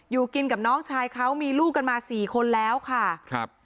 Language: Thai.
อยู่กินกับน้องชายเขามีลูกกันมาสี่คนแล้วค่ะครับ